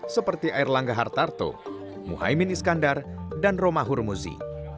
seperti airlangga hartarto muhaymin iskandar dan romah hurmuzi